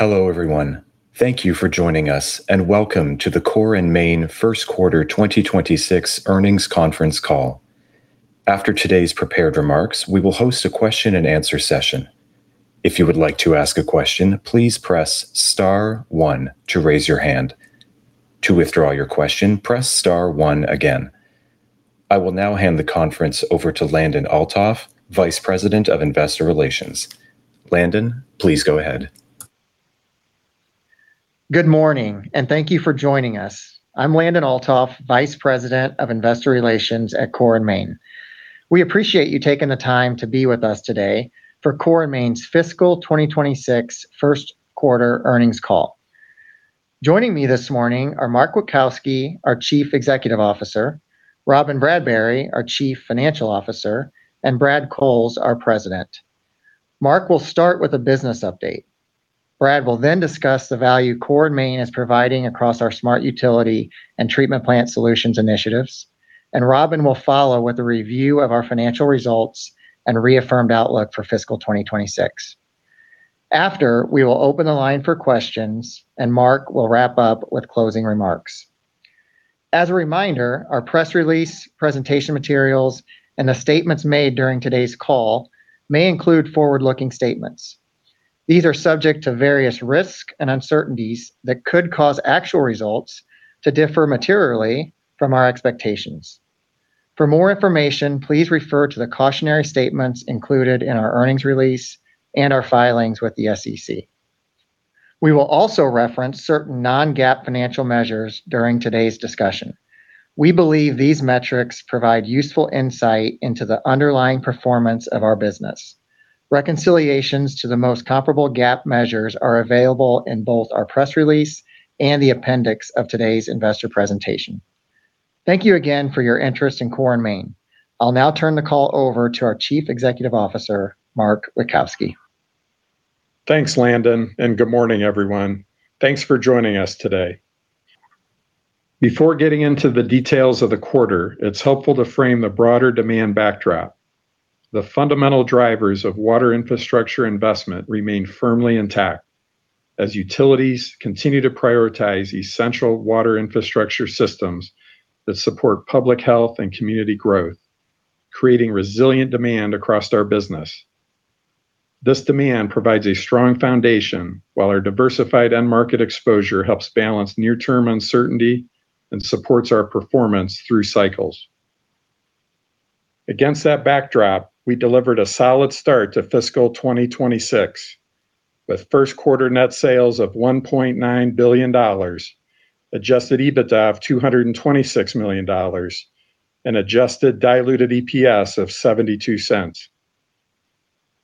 Hello, everyone. Thank you for joining us, and welcome to the Core & Main Q1 2026 earnings conference call. After today's prepared remarks, we will host a question and answer session. If you would like to ask a question, please press star one to raise your hand. To withdraw your question, press star one again. I will now hand the conference over to Landon Althoff, Vice President of Investor Relations. Landon, please go ahead. Good morning, and thank you for joining us. I'm Landon Althoff, Vice President of Investor Relations at Core & Main. We appreciate you taking the time to be with us today for Core & Main's fiscal 2026 Q1 earnings call. Joining me this morning are Mark Witkowski, our Chief Executive Officer, Robyn Bradbury, our Chief Financial Officer, and Brad Cowles, our President. Mark will start with a business update. Brad will then discuss the value Core & Main is providing across our smart utility and treatment plant solutions initiatives, and Robyn will follow with a review of our financial results and reaffirmed outlook for fiscal 2026. We will open the line for questions, and Mark will wrap up with closing remarks. As a reminder, our press release, presentation materials, and the statements made during today's call may include forward-looking statements. These are subject to various risks and uncertainties that could cause actual results to differ materially from our expectations. For more information, please refer to the cautionary statements included in our earnings release and our filings with the SEC. We will also reference certain non-GAAP financial measures during today's discussion. We believe these metrics provide useful insight into the underlying performance of our business. Reconciliations to the most comparable GAAP measures are available in both our press release and the appendix of today's investor presentation. Thank you again for your interest in Core & Main. I'll now turn the call over to our Chief Executive Officer, Mark Witkowski. Thanks, Landon Althoff, and good morning, everyone. Thanks for joining us today. Before getting into the details of the quarter, it's helpful to frame the broader demand backdrop. The fundamental drivers of water infrastructure investment remain firmly intact as utilities continue to prioritize essential water infrastructure systems that support public health and community growth, creating resilient demand across our business. This demand provides a strong foundation while our diversified end market exposure helps balance near-term uncertainty and supports our performance through cycles. Against that backdrop, we delivered a solid start to fiscal 2026, with Q1 net sales of $1.9 billion, adjusted EBITDA of $226 million and adjusted diluted EPS of $0.72.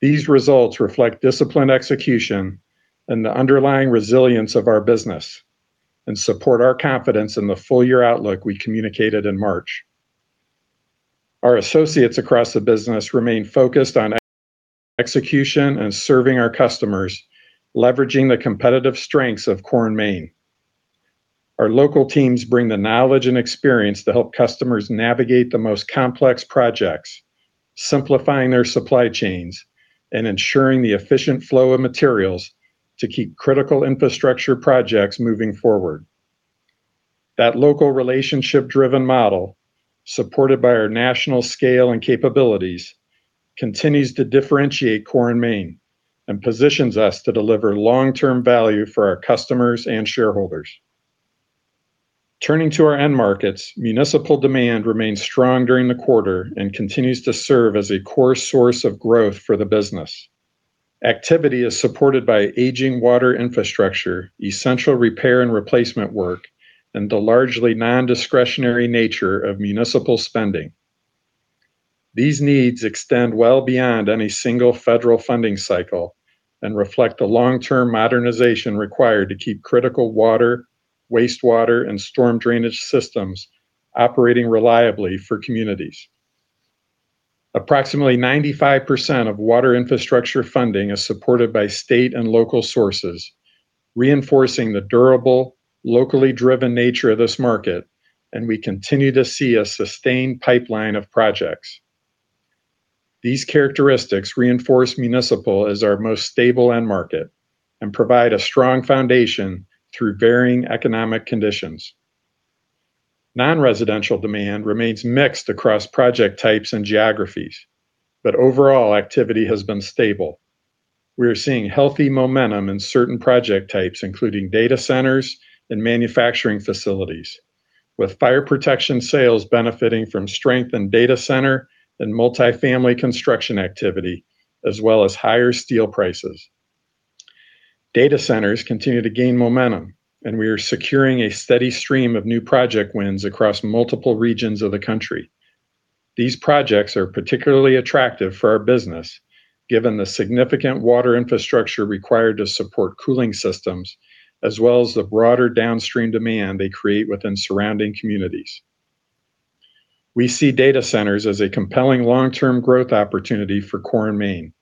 These results reflect disciplined execution and the underlying resilience of our business and support our confidence in the full year outlook we communicated in March. Our associates across the business remain focused on execution and serving our customers, leveraging the competitive strengths of Core & Main. Our local teams bring the knowledge and experience to help customers navigate the most complex projects, simplifying their supply chains and ensuring the efficient flow of materials to keep critical infrastructure projects moving forward. That local relationship-driven model, supported by our national scale and capabilities, continues to differentiate Core & Main and positions us to deliver long-term value for our customers and shareholders. Turning to our end markets, municipal demand remained strong during the quarter and continues to serve as a core source of growth for the business. Activity is supported by aging water infrastructure, essential repair and replacement work, and the largely non-discretionary nature of municipal spending. These needs extend well beyond any single federal funding cycle and reflect the long-term modernization required to keep critical water, wastewater, and storm drainage systems operating reliably for communities. Approximately 95% of water infrastructure funding is supported by state and local sources, reinforcing the durable, locally driven nature of this market, and we continue to see a sustained pipeline of projects. These characteristics reinforce municipal as our most stable end market and provide a strong foundation through varying economic conditions. Non-residential demand remains mixed across project types and geographies, but overall activity has been stable. We are seeing healthy momentum in certain project types, including data centers and manufacturing facilities, with fire protection sales benefiting from strength in data center and multi-family construction activity, as well as higher steel prices. Data centers continue to gain momentum, and we are securing a steady stream of new project wins across multiple regions of the country. These projects are particularly attractive for our business, given the significant water infrastructure required to support cooling systems, as well as the broader downstream demand they create within surrounding communities. We see data centers as a compelling long-term growth opportunity for Core & Main.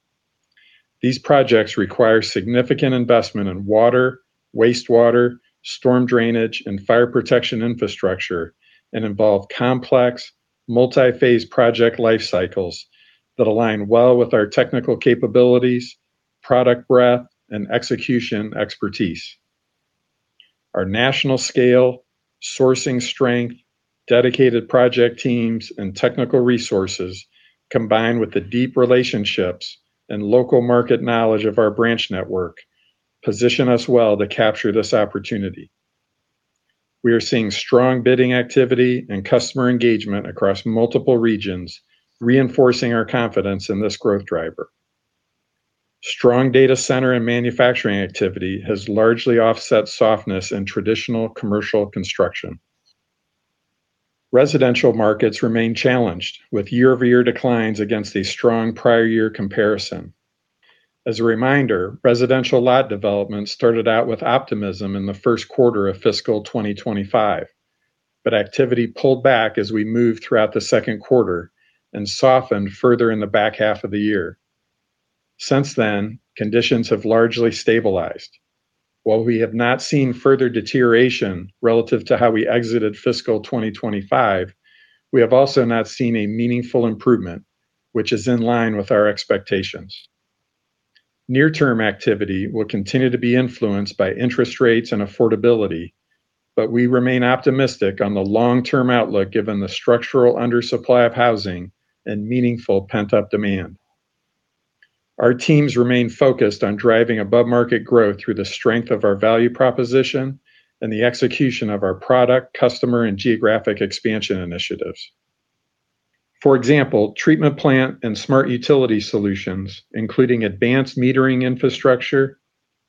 These projects require significant investment in water, wastewater, storm drainage, and fire protection infrastructure, and involve complex, multi-phase project life cycles that align well with our technical capabilities, product breadth, and execution expertise. Our national scale, sourcing strength, dedicated project teams, and technical resources, combined with the deep relationships and local market knowledge of our branch network, position us well to capture this opportunity. We are seeing strong bidding activity and customer engagement across multiple regions, reinforcing our confidence in this growth driver. Strong data center and manufacturing activity has largely offset softness in traditional commercial construction. Residential markets remain challenged, with year-over-year declines against a strong prior year comparison. As a reminder, residential lot development started out with optimism in the Q1 of fiscal 2025, but activity pulled back as we moved throughout the Q2 and softened further in the H2 of the year. Since then, conditions have largely stabilized. While we have not seen further deterioration relative to how we exited fiscal 2025, we have also not seen a meaningful improvement, which is in line with our expectations. Near-term activity will continue to be influenced by interest rates and affordability, but we remain optimistic on the long-term outlook given the structural undersupply of housing and meaningful pent-up demand. Our teams remain focused on driving above-market growth through the strength of our value proposition and the execution of our product, customer, and geographic expansion initiatives. For example, treatment plant and smart utility solutions, including advanced metering infrastructure,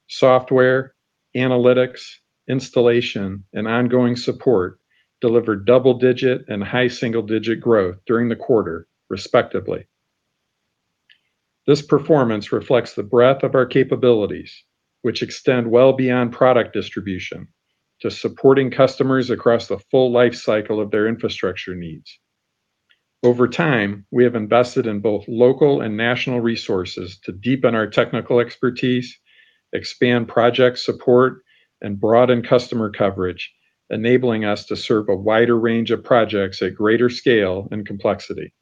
software, analytics, installation, and ongoing support, delivered double-digit and high single-digit growth during the quarter, respectively. This performance reflects the breadth of our capabilities, which extend well beyond product distribution to supporting customers across the full life cycle of their infrastructure needs. Over time, we have invested in both local and national resources to deepen our technical expertise, expand project support, and broaden customer coverage, enabling us to serve a wider range of projects at greater scale and complexity.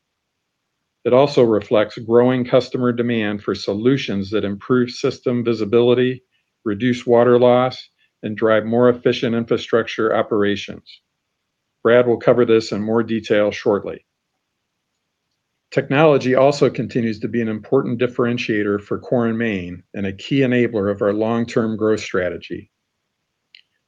It also reflects growing customer demand for solutions that improve system visibility, reduce water loss, and drive more efficient infrastructure operations. Brad Cowles will cover this in more detail shortly. Technology also continues to be an important differentiator for Core & Main and a key enabler of our long-term growth strategy.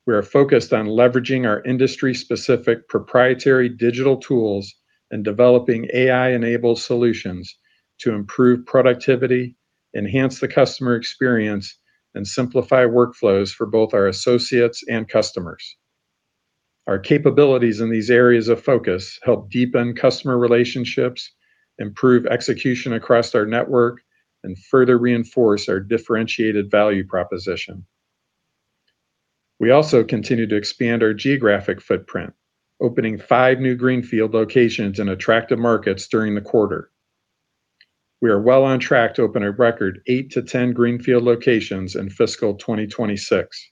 We are focused on leveraging our industry-specific proprietary digital tools and developing AI-enabled solutions to improve productivity, enhance the customer experience, and simplify workflows for both our associates and customers. Our capabilities in these areas of focus help deepen customer relationships, improve execution across our network, and further reinforce our differentiated value proposition. We also continue to expand our geographic footprint, opening five new greenfield locations in attractive markets during the quarter. We are well on track to open a record 8-10 greenfield locations in fiscal 2026.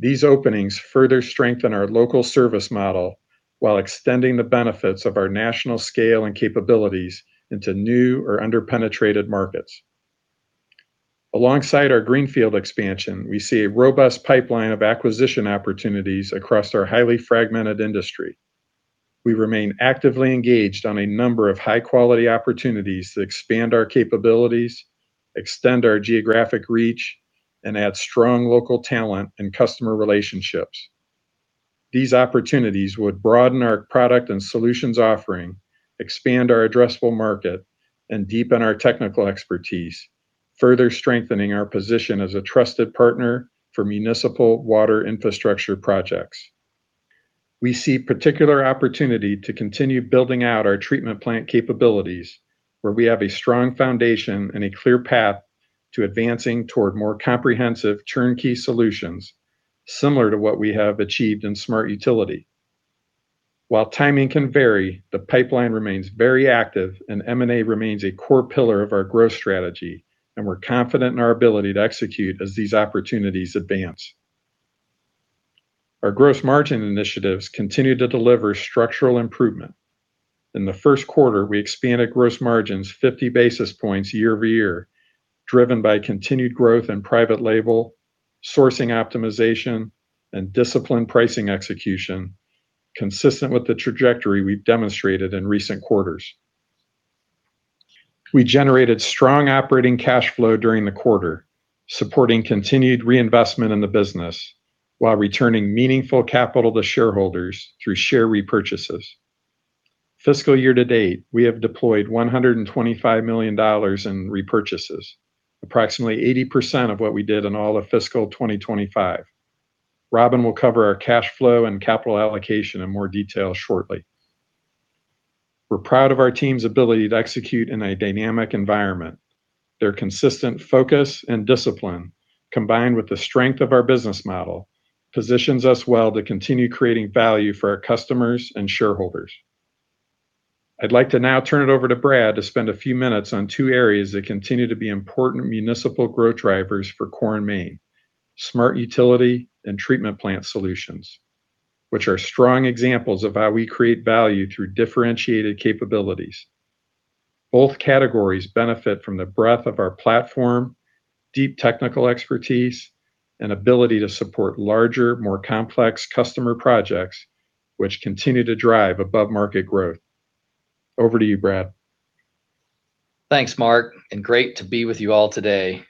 These openings further strengthen our local service model while extending the benefits of our national scale and capabilities into new or under-penetrated markets. Alongside our greenfield expansion, we see a robust pipeline of acquisition opportunities across our highly fragmented industry. We remain actively engaged on a number of high-quality opportunities to expand our capabilities, extend our geographic reach, and add strong local talent and customer relationships. These opportunities would broaden our product and solutions offering, expand our addressable market, and deepen our technical expertise, further strengthening our position as a trusted partner for municipal water infrastructure projects. We see particular opportunity to continue building out our treatment plant capabilities, where we have a strong foundation and a clear path to advancing toward more comprehensive turnkey solutions, similar to what we have achieved in smart utility. While timing can vary, the pipeline remains very active and M&A remains a core pillar of our growth strategy, and we're confident in our ability to execute as these opportunities advance. Our gross margin initiatives continue to deliver structural improvement. In the first quarter, we expanded gross margins 50 basis points year-over-year, driven by continued growth in private label, sourcing optimization, and disciplined pricing execution, consistent with the trajectory we've demonstrated in recent quarters. We generated strong operating cash flow during the quarter, supporting continued reinvestment in the business while returning meaningful capital to shareholders through share repurchases. Fiscal year to date, we have deployed $125 million in repurchases, approximately 80% of what we did in all of fiscal 2025. Robyn will cover our cash flow and capital allocation in more detail shortly. We're proud of our team's ability to execute in a dynamic environment. Their consistent focus and discipline, combined with the strength of our business model, positions us well to continue creating value for our customers and shareholders. I'd like to now turn it over to Brad Cowles to spend a few minutes on two areas that continue to be important municipal growth drivers for Core & Main, Smart Utility and Treatment Plant Solutions, which are strong examples of how we create value through differentiated capabilities. Both categories benefit from the breadth of our platform, deep technical expertise, and ability to support larger, more complex customer projects, which continue to drive above-market growth. Over to you, Brad Cowles. Thanks, Mark Witkowski, and great to be with you all today.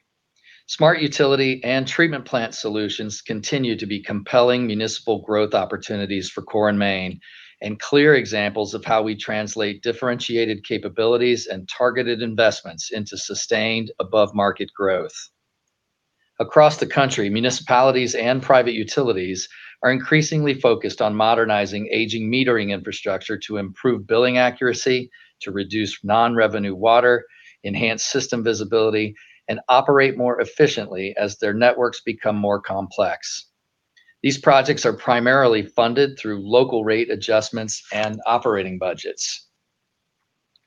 Smart Utility and Treatment Plant Solutions continue to be compelling municipal growth opportunities for Core & Main and clear examples of how we translate differentiated capabilities and targeted investments into sustained above-market growth. Across the country, municipalities and private utilities are increasingly focused on modernizing aging metering infrastructure to improve billing accuracy, to reduce non-revenue water, enhance system visibility, and operate more efficiently as their networks become more complex. These projects are primarily funded through local rate adjustments and operating budgets.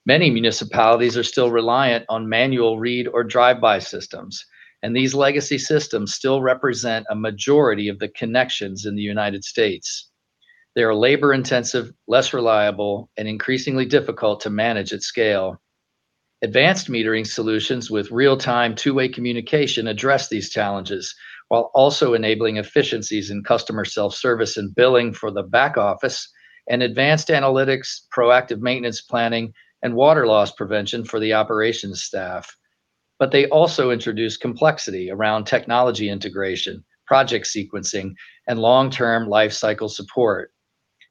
Many municipalities are still reliant on manual read or drive-by systems, and these legacy systems still represent a majority of the connections in the U.S. They are labor-intensive, less reliable, and increasingly difficult to manage at scale. Advanced metering solutions with real-time, two-way communication address these challenges while also enabling efficiencies in customer self-service and billing for the back office and advanced analytics, proactive maintenance planning, and water loss prevention for the operations staff. They also introduce complexity around technology integration, project sequencing, and long-term lifecycle support.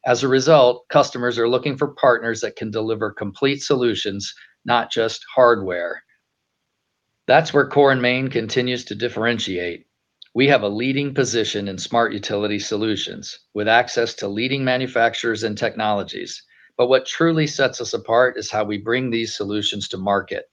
As a result, customers are looking for partners that can deliver complete solutions, not just hardware. That's where Core & Main continues to differentiate. We have a leading position in Smart Utility Solutions with access to leading manufacturers and technologies. What truly sets us apart is how we bring these solutions to market.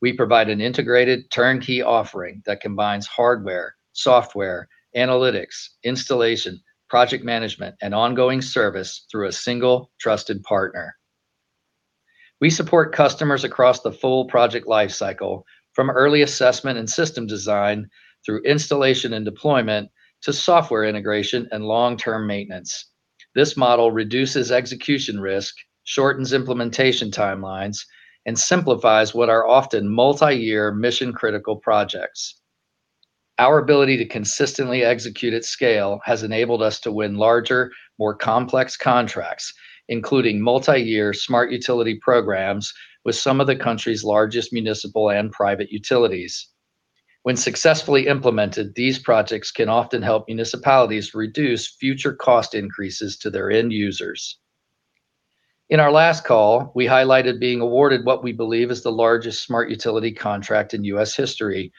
We provide an integrated turnkey offering that combines hardware, software, analytics, installation, project management, and ongoing service through a single trusted partner. We support customers across the full project lifecycle, from early assessment and system design through installation and deployment to software integration and long-term maintenance. This model reduces execution risk, shortens implementation timelines, and simplifies what are often multi-year mission-critical projects. Our ability to consistently execute at scale has enabled us to win larger, more complex contracts, including multi-year Smart Utility programs with some of the country's largest municipal and private utilities. When successfully implemented, these projects can often help municipalities reduce future cost increases to their end users. In our last call, we highlighted being awarded what we believe is the largest Smart Utility contract in U.S. history.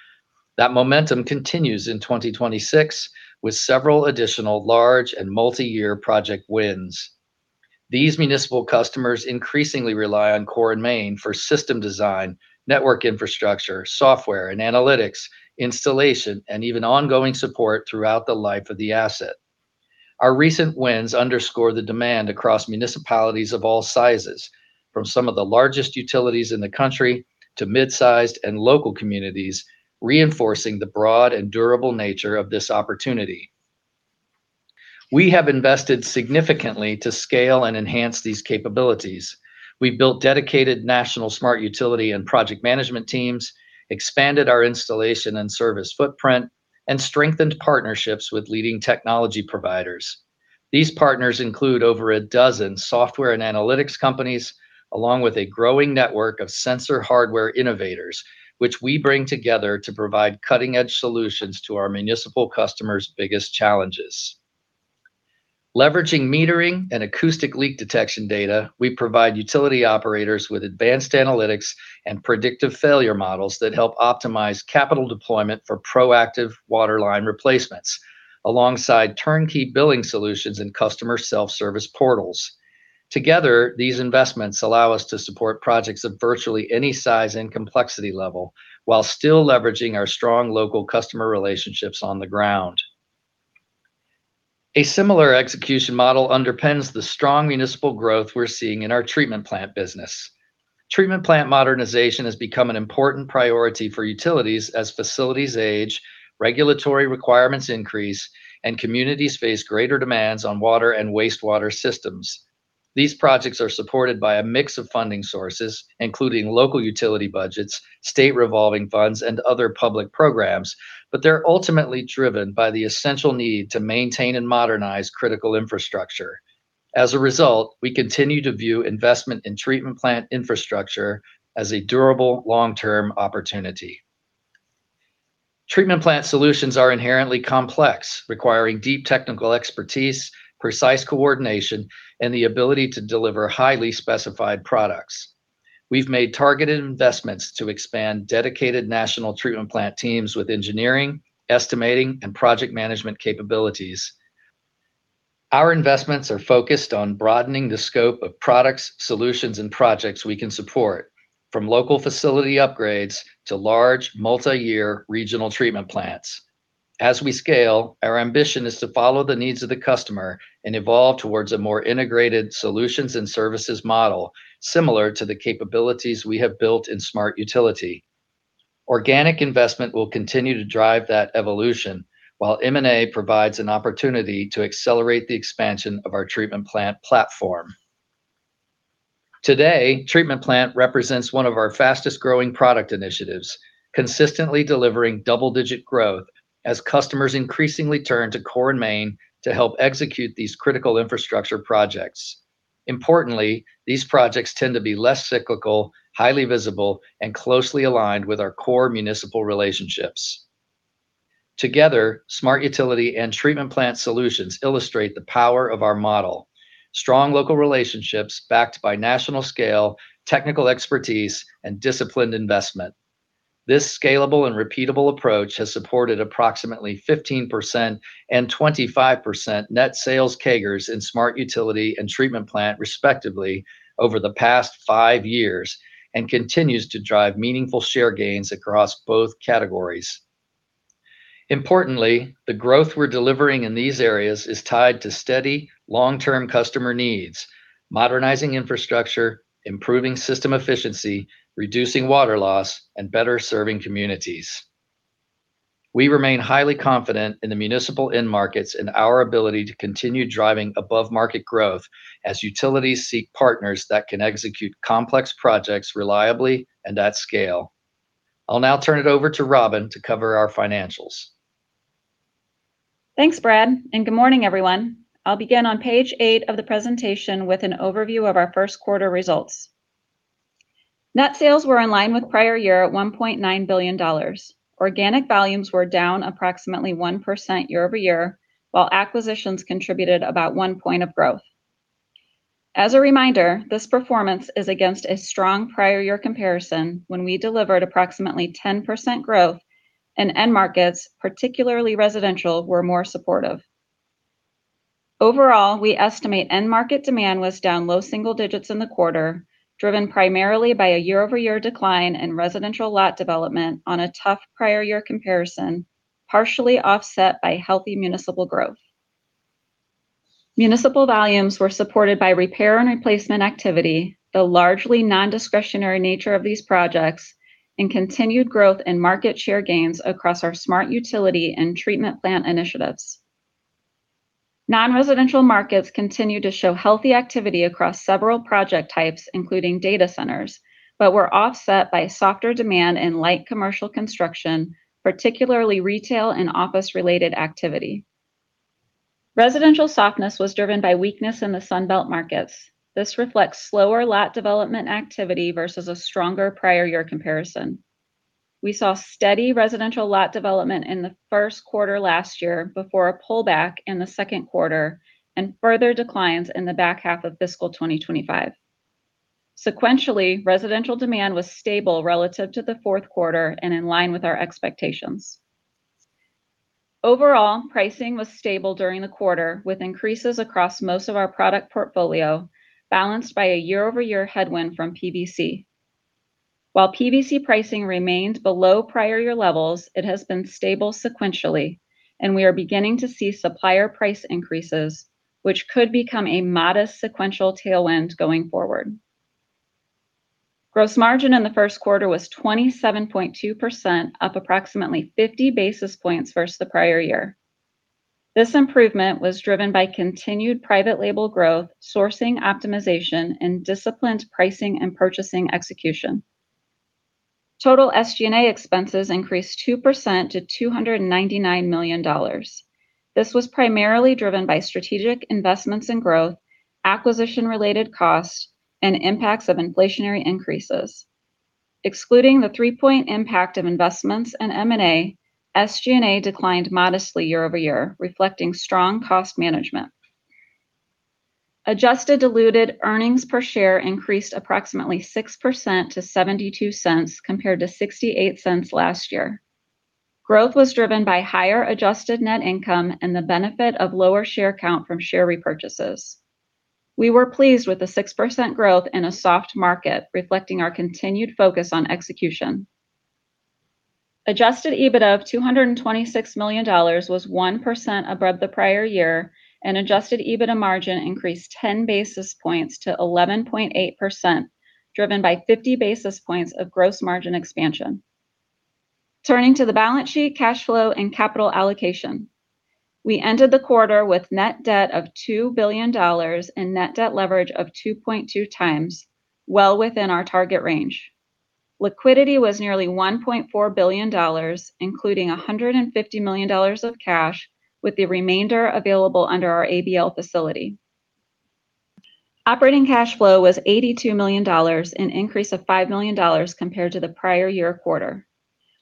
That momentum continues in 2026 with several additional large and multi-year project wins. These municipal customers increasingly rely on Core & Main for system design, network infrastructure, software and analytics, installation, and even ongoing support throughout the life of the asset. Our recent wins underscore the demand across municipalities of all sizes, from some of the largest utilities in the country to mid-sized and local communities, reinforcing the broad and durable nature of this opportunity. We have invested significantly to scale and enhance these capabilities. We've built dedicated national Smart Utility and project management teams, expanded our installation and service footprint, and strengthened partnerships with leading technology providers. These partners include over 12 software and analytics companies, along with a growing network of sensor hardware innovators, which we bring together to provide cutting-edge solutions to our municipal customers' biggest challenges. Leveraging metering and acoustic leak detection data, we provide utility operators with advanced analytics and predictive failure models that help optimize capital deployment for proactive waterline replacements, alongside turnkey billing solutions and customer self-service portals. Together, these investments allow us to support projects of virtually any size and complexity level while still leveraging our strong local customer relationships on the ground. A similar execution model underpins the strong municipal growth we're seeing in our Treatment Plant business. Treatment Plant modernization has become an important priority for utilities as facilities age, regulatory requirements increase, and communities face greater demands on water and wastewater systems. These projects are supported by a mix of funding sources, including local utility budgets, state revolving funds, and other public programs, but they're ultimately driven by the essential need to maintain and modernize critical infrastructure. As a result, we continue to view investment in Treatment Plant infrastructure as a durable, long-term opportunity. Treatment Plant solutions are inherently complex, requiring deep technical expertise, precise coordination, and the ability to deliver highly specified products. We've made targeted investments to expand dedicated national Treatment Plant teams with engineering, estimating, and project management capabilities. Our investments are focused on broadening the scope of products, solutions, and projects we can support, from local facility upgrades to large, multi-year regional Treatment Plants. As we scale, our ambition is to follow the needs of the customer and evolve towards a more integrated solutions and services model similar to the capabilities we have built in Smart Utility. Organic investment will continue to drive that evolution while M&A provides an opportunity to accelerate the expansion of our Treatment Plant platform. Today, Treatment Plant represents one of our fastest-growing product initiatives, consistently delivering double-digit growth as customers increasingly turn to Core & Main to help execute these critical infrastructure projects. Importantly, these projects tend to be less cyclical, highly visible, and closely aligned with our core municipal relationships. Together, Smart Utility and Treatment Plant solutions illustrate the power of our model: strong local relationships backed by national-scale technical expertise and disciplined investment. This scalable and repeatable approach has supported approximately 15% and 25% net sales CAGRs in Smart Utility and Treatment Plant, respectively, over the past five years and continues to drive meaningful share gains across both categories. Importantly, the growth we're delivering in these areas is tied to steady, long-term customer needs, modernizing infrastructure, improving system efficiency, reducing water loss, and better serving communities. We remain highly confident in the municipal end markets and our ability to continue driving above-market growth as utilities seek partners that can execute complex projects reliably and at scale. I'll now turn it over to Robyn Bradbury to cover our financials. Thanks, Brad Cowles, and good morning, everyone. I'll begin on page 8 of the presentation with an overview of our Q1 results. Net sales were in line with prior year at $1.9 billion. Organic volumes were down approximately 1% year-over-year, while acquisitions contributed about one point of growth. As a reminder, this performance is against a strong prior year comparison when we delivered approximately 10% growth and end markets, particularly residential, were more supportive. Overall, we estimate end market demand was down low single digits in the quarter, driven primarily by a year-over-year decline in residential lot development on a tough prior year comparison, partially offset by healthy municipal growth. Municipal volumes were supported by repair and replacement activity, the largely nondiscretionary nature of these projects, and continued growth in market share gains across our smart utility and treatment plant initiatives. Non-residential markets continue to show healthy activity across several project types, including data centers, but were offset by softer demand and light commercial construction, particularly retail and office-related activity. Residential softness was driven by weakness in the Sun Belt markets. This reflects slower lot development activity versus a stronger prior year comparison. We saw steady residential lot development in the Q1 last year before a pullback in the Q2 and further declines in the H2 of fiscal 2025. Sequentially, residential demand was stable relative to the Q4 and in line with our expectations. Overall, pricing was stable during the quarter, with increases across most of our product portfolio, balanced by a year-over-year headwind from PVC. While PVC pricing remains below prior year levels, it has been stable sequentially, and we are beginning to see supplier price increases, which could become a modest sequential tailwind going forward. Gross margin in the Q1 was 27.2%, up approximately 50 basis points versus the prior year. This improvement was driven by continued private label growth, sourcing optimization, and disciplined pricing and purchasing execution. Total SG&A expenses increased 2% to $299 million. This was primarily driven by strategic investments in growth, acquisition-related costs, and impacts of inflationary increases. Excluding the three-point impact of investments in M&A, SG&A declined modestly year-over-year, reflecting strong cost management. Adjusted diluted earnings per share increased approximately 6% to $0.72, compared to $0.68 last year. Growth was driven by higher adjusted net income and the benefit of lower share count from share repurchases. We were pleased with the 6% growth in a soft market, reflecting our continued focus on execution. Adjusted EBITDA of $226 million was 1% above the prior year, and adjusted EBITDA margin increased 10 basis points to 11.8%, driven by 50 basis points of gross margin expansion. Turning to the balance sheet, cash flow, and capital allocation. We ended the quarter with net debt of $2 billion and net debt leverage of 2.2x, well within our target range. Liquidity was nearly $1.4 billion, including $150 million of cash, with the remainder available under our ABL facility. Operating cash flow was $82 million, an increase of $5 million compared to the prior year quarter.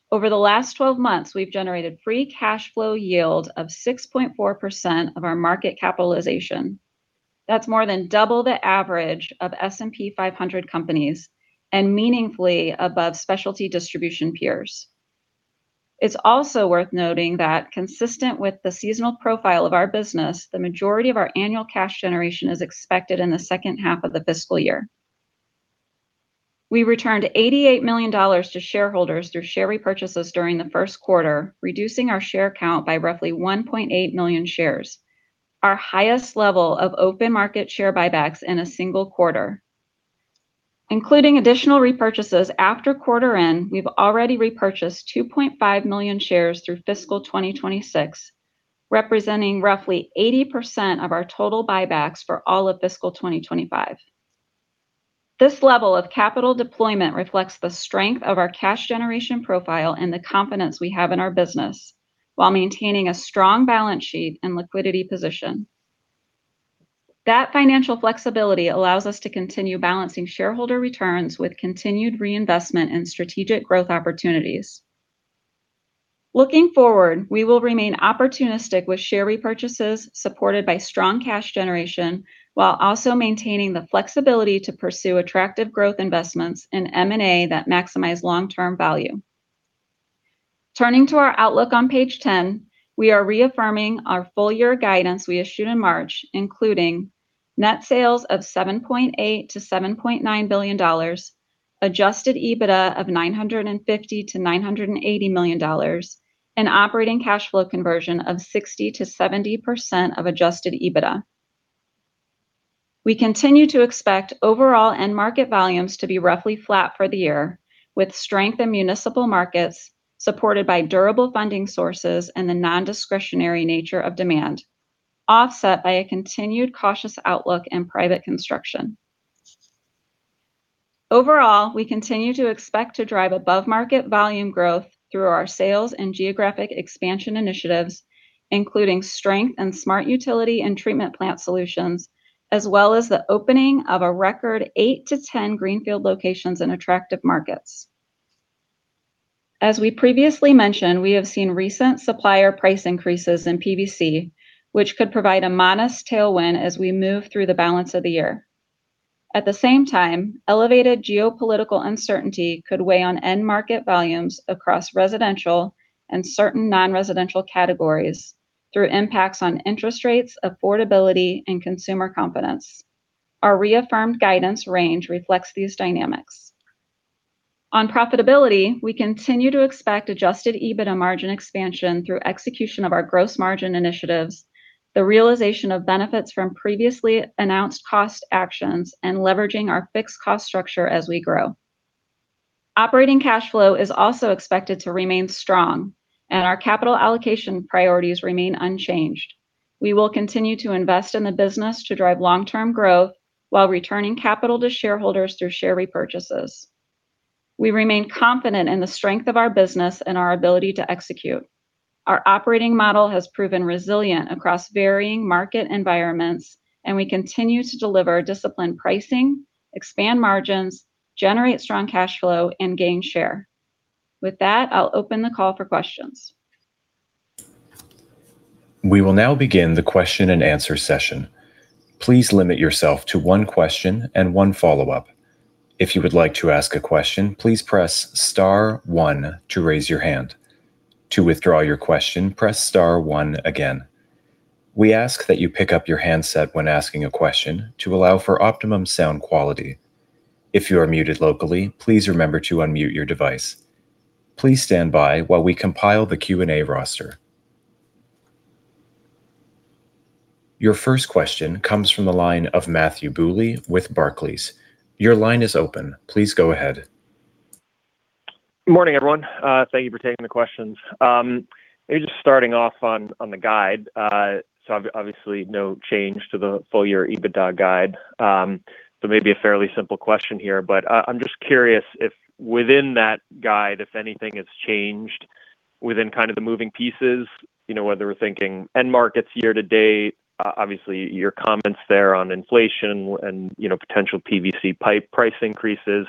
Over the last 12 months, we've generated free cash flow yield of 6.4% of our market capitalization. That's more than double the average of S&P 500 companies and meaningfully above specialty distribution peers. It's also worth noting that consistent with the seasonal profile of our business, the majority of our annual cash generation is expected in the H2 of the fiscal year. We returned $88 million to shareholders through share repurchases during the Q1, reducing our share count by roughly 1.8 million shares, our highest level of open market share buybacks in a single quarter. Including additional repurchases after quarter end, we've already repurchased 2.5 million shares through fiscal 2026, representing roughly 80% of our total buybacks for all of fiscal 2025. This level of capital deployment reflects the strength of our cash generation profile and the confidence we have in our business while maintaining a strong balance sheet and liquidity position. That financial flexibility allows us to continue balancing shareholder returns with continued reinvestment and strategic growth opportunities. Looking forward, we will remain opportunistic with share repurchases supported by strong cash generation, while also maintaining the flexibility to pursue attractive growth investments in M&A that maximize long-term value. Turning to our outlook on page 10, we are reaffirming our full year guidance we issued in March, including net sales of $7.8 billion-$7.9 billion, adjusted EBITDA of $950 million-$980 million, and operating cash flow conversion of 60%-70% of adjusted EBITDA. We continue to expect overall end market volumes to be roughly flat for the year, with strength in municipal markets supported by durable funding sources and the non-discretionary nature of demand, offset by a continued cautious outlook in private construction. Overall, we continue to expect to drive above-market volume growth through our sales and geographic expansion initiatives, including strength in smart utility and treatment plant solutions, as well as the opening of a record 8-10 greenfield locations in attractive markets. As we previously mentioned, we have seen recent supplier price increases in PVC, which could provide a modest tailwind as we move through the balance of the year. At the same time, elevated geopolitical uncertainty could weigh on end market volumes across residential and certain non-residential categories through impacts on interest rates, affordability, and consumer confidence. Our reaffirmed guidance range reflects these dynamics. On profitability, we continue to expect adjusted EBITDA margin expansion through execution of our gross margin initiatives, the realization of benefits from previously announced cost actions, and leveraging our fixed cost structure as we grow. Operating cash flow is also expected to remain strong. Our capital allocation priorities remain unchanged. We will continue to invest in the business to drive long-term growth while returning capital to shareholders through share repurchases. We remain confident in the strength of our business and our ability to execute. Our operating model has proven resilient across varying market environments. We continue to deliver disciplined pricing, expand margins, generate strong cash flow, and gain share. With that, I'll open the call for questions. We will now begin the question and answer session. Please limit yourself to one question and one follow-up. If you would like to ask a question, please press star one to raise your hand. To withdraw your question, press star one again. We ask that you pick up your handset when asking a question to allow for optimum sound quality. If you are muted locally, please remember to unmute your device. Please stand by while we compile the Q&A roster. Your first question comes from the line of Matthew Bouley with Barclays. Your line is open. Please go ahead. Morning, everyone. Thank you for taking the questions. Maybe just starting off on the guide. Obviously, no change to the full year EBITDA guide. Maybe a fairly simple question here, but I'm just curious if within that guide, if anything has changed within kind of the moving pieces, whether we're thinking end markets year-to-date, obviously, your comments there on inflation and potential PVC pipe price increases.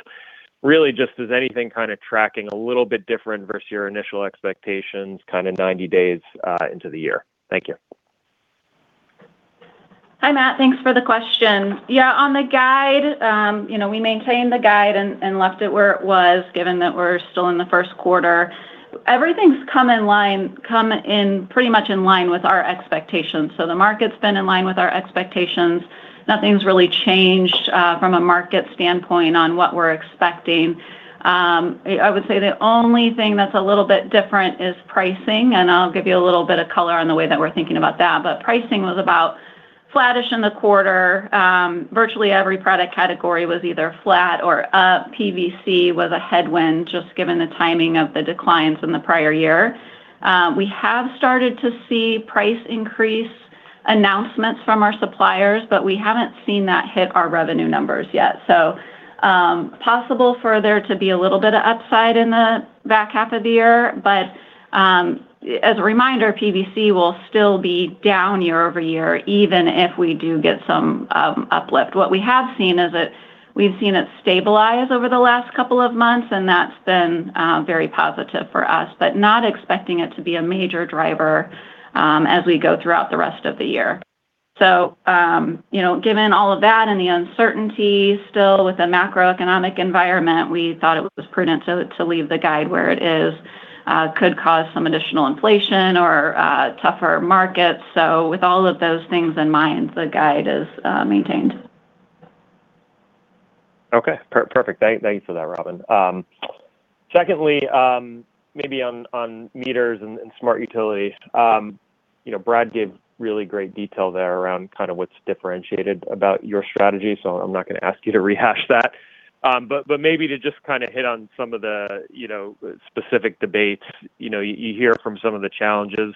Really just as anything kind of tracking a little bit different versus your initial expectations, kind of 90 days into the year. Thank you. Hi, Matthew Bouley. Thanks for the question. Yeah. On the guide, we maintained the guide and left it where it was, given that we're still in the Q1. Everything's come pretty much in line with our expectations. The market's been in line with our expectations. Nothing's really changed from a market standpoint on what we're expecting. I would say the only thing that's a little bit different is pricing, and I'll give you a little bit of color on the way that we're thinking about that. Pricing was about flattish in the quarter. Virtually every product category was either flat or up. PVC was a headwind, just given the timing of the declines in the prior year. We have started to see price increase announcements from our suppliers, but we haven't seen that hit our revenue numbers yet. Possible for there to be a little bit of upside in the H2 of the year. As a reminder, PVC will still be down year-over-year, even if we do get some uplift. What we have seen is that we've seen it stabilize over the last couple of months, and that's been very positive for us, but not expecting it to be a major driver as we go throughout the rest of the year. Given all of that and the uncertainty still with the macroeconomic environment, we thought it was prudent to leave the guide where it is. Could cause some additional inflation or tougher markets. With all of those things in mind, the guide is maintained. Okay, perfect. Thank you for that, Robyn Bradbury. Secondly, maybe on meters and smart utilities. Brad gave really great detail there around what's differentiated about your strategy, so I'm not going to ask you to rehash that. Maybe to just hit on some of the specific debates. You hear from some of the challenges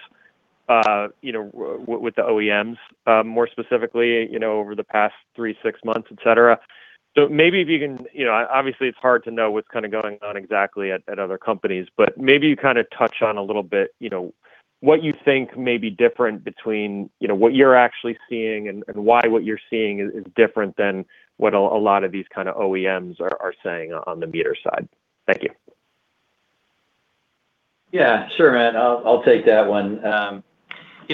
with the OEMs, more specifically, over the past three, six months, et cetera. Obviously, it's hard to know what's going on exactly at other companies, but maybe you touch on a little bit what you think may be different between what you're actually seeing and why what you're seeing is different than what a lot of these kind of OEMs are saying on the meter side. Thank you. Yeah. Sure, Matthew Bouley. I'll take that one.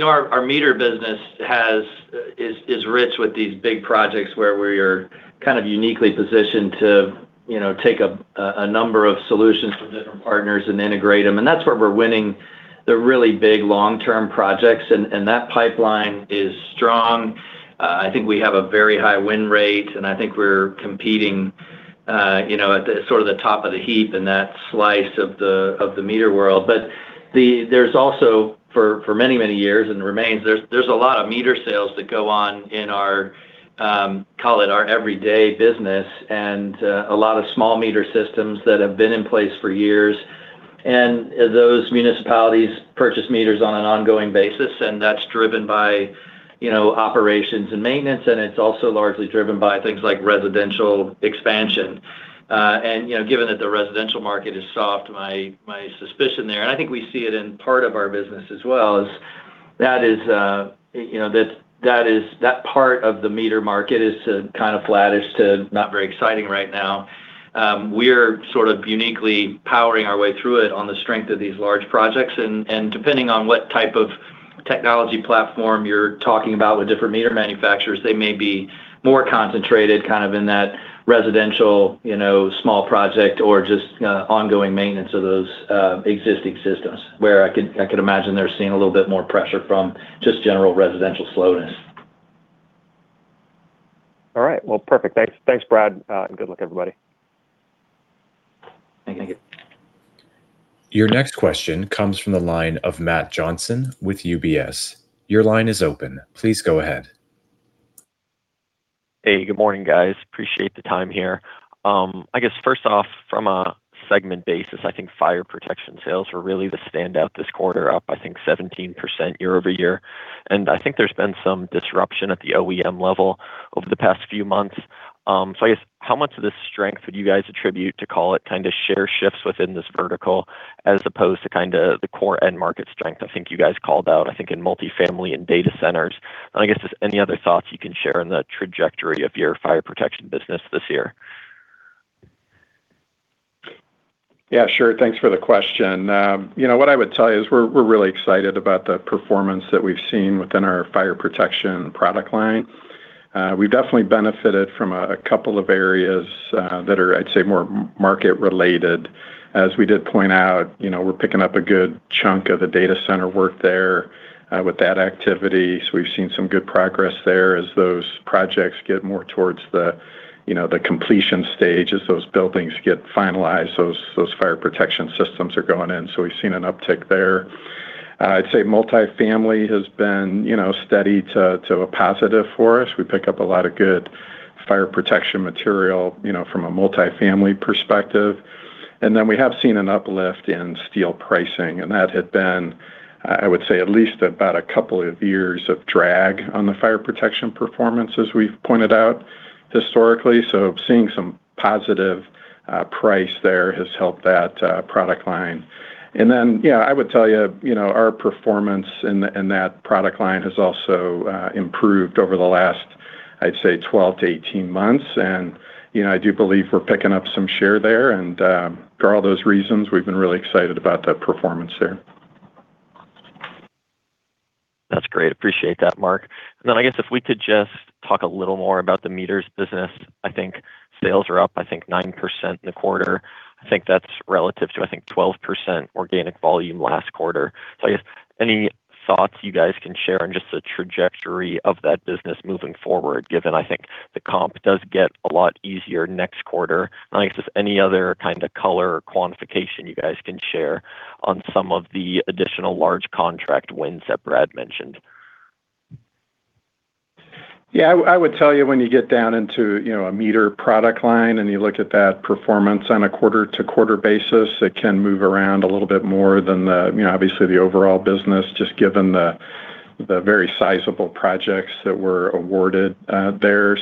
Our meter business is rich with these big projects where we're uniquely positioned to take a number of solutions from different partners and integrate them. That's where we're winning the really big long-term projects, and that pipeline is strong. I think we have a very high win rate, and I think we're competing at the top of the heap in that slice of the meter world. There's also, for many years, and remains, there's a lot of meter sales that go on in our, call it our everyday business and a lot of small meter systems that have been in place for years. Those municipalities purchase meters on an ongoing basis, and that's driven by operations and maintenance, and it's also largely driven by things like residential expansion. Given that the residential market is soft, my suspicion there, and I think we see it in part of our business as well, is that part of the meter market is flattish to not very exciting right now. We're uniquely powering our way through it on the strength of these large projects, and depending on what type of technology platform you're talking about with different meter manufacturers, they may be more concentrated in that residential small project or just ongoing maintenance of those existing systems, where I could imagine they're seeing a little bit more pressure from just general residential slowness. All right. Well, perfect. Thanks, Brad Cowles. Good luck, everybody. Thank you. Your next question comes from the line of Matt Johnson with UBS. Your line is open. Please go ahead. Hey, good morning, guys. Appreciate the time here. I guess first off, from a segment basis, I think fire protection sales were really the standout this quarter, up, I think, 17% year-over-year. I think there's been some disruption at the OEM level over the past few months. I guess how much of this strength would you guys attribute to call it share shifts within this vertical as opposed to the core end market strength I think you guys called out, I think in multifamily and data centers? I guess just any other thoughts you can share on the trajectory of your fire protection business this year? Sure. Thanks for the question. What I would tell you is we're really excited about the performance that we've seen within our fire protection product line. We've definitely benefited from a couple of areas that are, I'd say, more market related. As we did point out, we're picking up a good chunk of the data center work there with that activity. We've seen some good progress there as those projects get more towards the completion stage, as those buildings get finalized, those fire protection systems are going in. We've seen an uptick there. I'd say multifamily has been steady to a positive for us. We pick up a lot of good fire protection material from a multifamily perspective. We have seen an uplift in steel pricing, and that had been, I would say, at least about two years of drag on the fire protection performance, as we've pointed out historically. Seeing some positive price there has helped that product line. I would tell you our performance in that product line has also improved over the last, I'd say, 12-18 months. I do believe we're picking up some share there. For all those reasons, we've been really excited about that performance there. That's great. Appreciate that, Mark Witkowski. I guess if we could just talk a little more about the meters business. I think sales are up 9% in the quarter. I think that's relative to 12% organic volume last quarter. I guess any thoughts you guys can share on just the trajectory of that business moving forward, given, I think, the comp does get a lot easier next quarter? I guess just any other kind of color or quantification you guys can share on some of the additional large contract wins that Brad Cowles mentioned? I would tell you when you get down into a meter product line and you look at that performance on a quarter-to-quarter basis, it can move around a little bit more than obviously the overall business, just given the very sizable projects that were awarded there.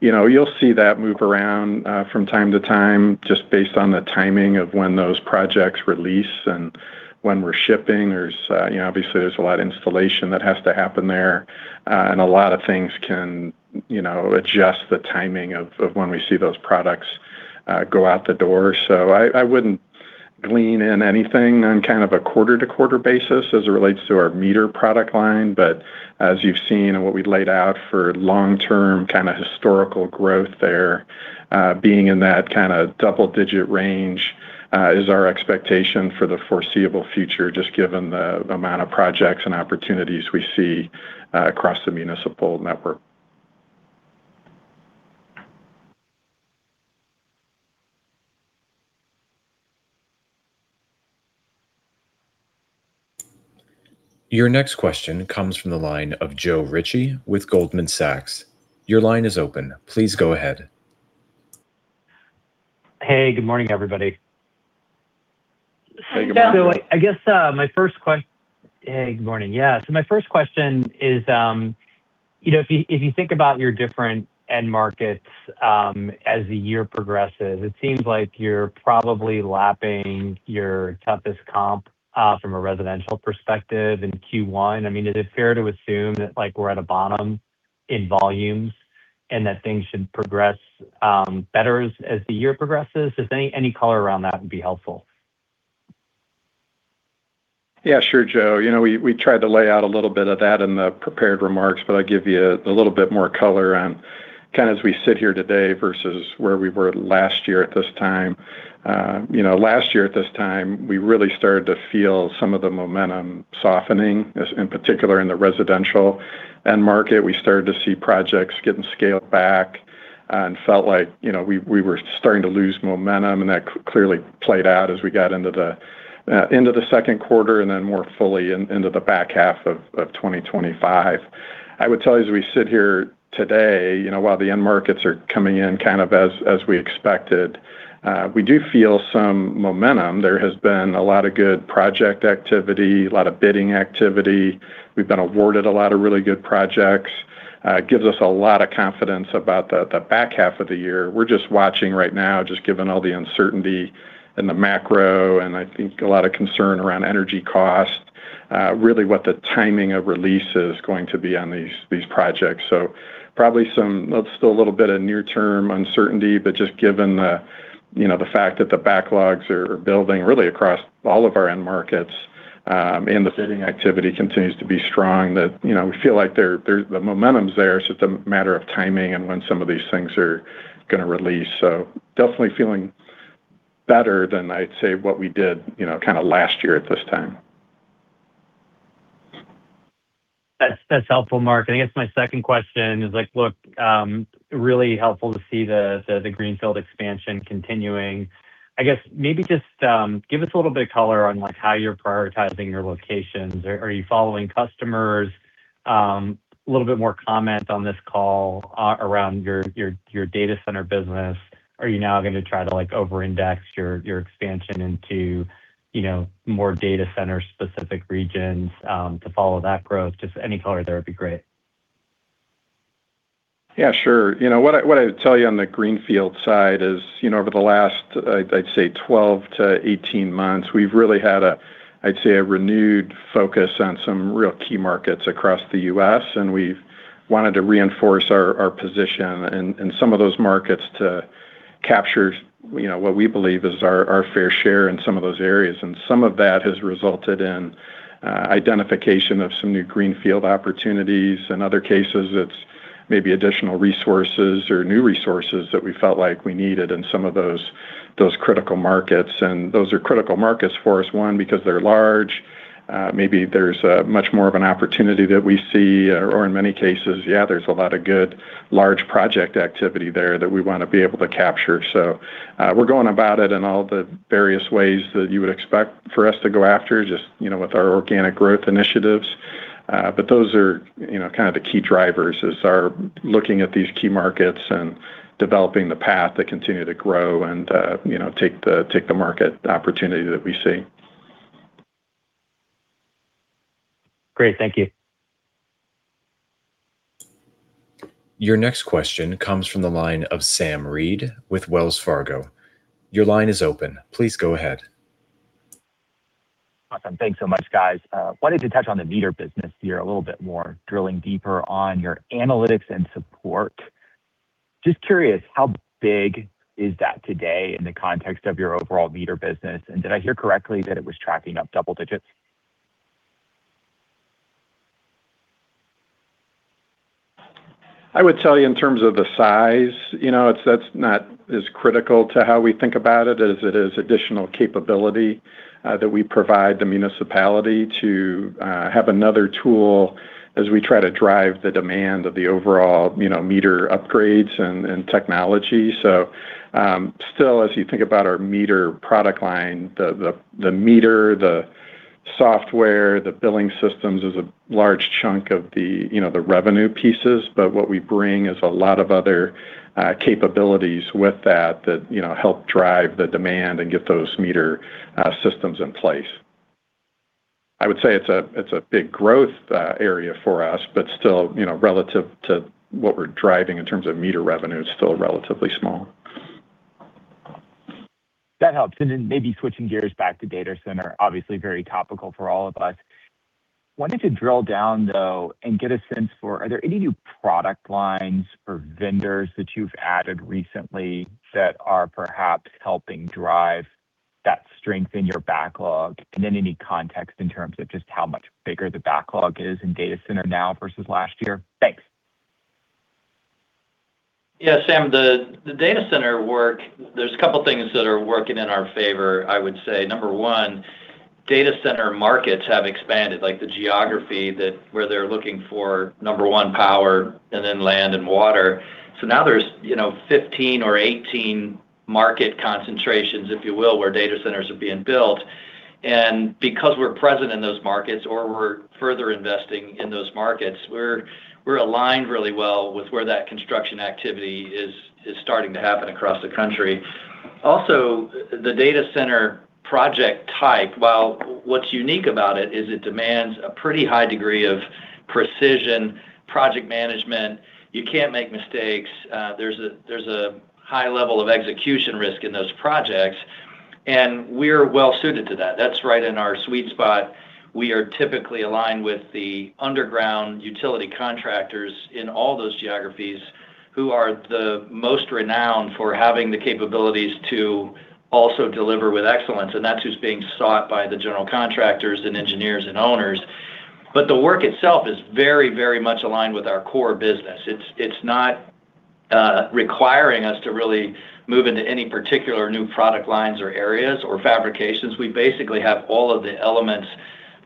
You'll see that move around from time to time just based on the timing of when those projects release and when we're shipping. Obviously, there's a lot of installation that has to happen there, and a lot of things can adjust the timing of when we see those products go out the door. I wouldn't glean in anything on a quarter-to-quarter basis as it relates to our meter product line. As you've seen and what we laid out for long-term historical growth there, being in that double-digit range is our expectation for the foreseeable future, just given the amount of projects and opportunities we see across the municipal network. Your next question comes from the line of Joe Ritchie with Goldman Sachs. Your line is open. Please go ahead. Hey, good morning, everybody. Hey, good morning Joe Ritchie. I guess my first question. Hey, good morning. My first question is, if you think about your different end markets as the year progresses, it seems like you're probably lapping your toughest comp from a residential perspective in Q1. Is it fair to assume that we're at a bottom in volumes and that things should progress better as the year progresses? Just any color around that would be helpful. Sure, Joe Ritchie. We tried to lay out a little bit of that in the prepared remarks, but I'll give you a little bit more color on as we sit here today versus where we were last year at this time. Last year at this time, we really started to feel some of the momentum softening, in particular in the residential end market. We started to see projects getting scaled back and felt like we were starting to lose momentum, and that clearly played out as we got into Q2 and then more fully into the H2 of 2025. I would tell you, as we sit here today, while the end markets are coming in as we expected, we do feel some momentum. There has been a lot of good project activity, a lot of bidding activity. We've been awarded a lot of really good projects. Gives us a lot of confidence about the H2 of the year. We're just watching right now, just given all the uncertainty in the macro and I think a lot of concern around energy cost, really what the timing of release is going to be on these projects. Probably some, still a little bit of near-term uncertainty, but just given the fact that the backlogs are building really across all of our end markets, and the bidding activity continues to be strong. That we feel like the momentum's there, it's just a matter of timing and when some of these things are going to release. Definitely feeling better than I'd say what we did last year at this time. That's helpful, Mark Witkowski. I guess my second question is, really helpful to see the Greenfield expansion continuing. I guess maybe just give us a little bit of color on how you're prioritizing your locations. Are you following customers? Little bit more comment on this call around your data center business. Are you now going to try to over-index your expansion into more data center specific regions to follow that growth? Just any color there would be great. Yeah, sure. What I would tell you on the Greenfield side is, over the last, I'd say 12-18 months, we've really had, I'd say, a renewed focus on some real key markets across the U.S., and we've wanted to reinforce our position in some of those markets to capture what we believe is our fair share in some of those areas. Some of that has resulted in identification of some new Greenfield opportunities. In other cases, it's maybe additional resources or new resources that we felt like we needed in some of those critical markets. Those are critical markets for us, one, because they're large. Maybe there's a much more of an opportunity that we see or, in many cases, yeah, there's a lot of good large project activity there that we want to be able to capture. We're going about it in all the various ways that you would expect for us to go after, just with our organic growth initiatives. Those are kind of the key drivers, is our looking at these key markets and developing the path that continue to grow and take the market opportunity that we see. Great. Thank you. Your next question comes from the line of Sam Reid with Wells Fargo. Your line is open. Please go ahead. Awesome. Thanks so much, guys. Wanted to touch on the meter business here a little bit more, drilling deeper on your analytics and support. Just curious, how big is that today in the context of your overall meter business? Did I hear correctly that it was tracking up double digits? I would tell you in terms of the size, that's not as critical to how we think about it as it is additional capability that we provide the municipality to have another tool as we try to drive the demand of the overall meter upgrades and technology. Still as you think about our meter product line, the meter, the software, the billing systems is a large chunk of the revenue pieces. What we bring is a lot of other capabilities with that that help drive the demand and get those meter systems in place. I would say it's a big growth area for us, but still, relative to what we're driving in terms of meter revenue, it's still relatively small. That helps. Maybe switching gears back to data center, obviously very topical for all of us. Wanted to drill down, though, and get a sense for, are there any new product lines or vendors that you've added recently that are perhaps helping drive that strength in your backlog? In any context in terms of just how much bigger the backlog is in data center now versus last year. Thanks. Yeah, Sam Reid, the data center work, there's a couple things that are working in our favor, I would say. Number one, data center markets have expanded, like the geography where they're looking for, number one, power, and then land and water. Now there's 15 or 18 market concentrations, if you will, where data centers are being built. Because we're present in those markets or we're further investing in those markets, we're aligned really well with where that construction activity is starting to happen across the country. Also, the data center project type, while what's unique about it is it demands a pretty high degree of precision project management. You can't make mistakes. There's a high level of execution risk in those projects, and we're well-suited to that. That's right in our sweet spot. We are typically aligned with the underground utility contractors in all those geographies who are the most renowned for having the capabilities to also deliver with excellence, that's who's being sought by the general contractors and engineers and owners. The work itself is very much aligned with our Core & Main business. It's not requiring us to really move into any particular new product lines or areas or fabrications. We basically have all of the elements